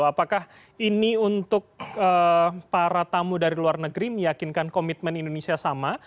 apakah ini untuk para tamu dari luar negeri meyakinkan komitmen indonesia sama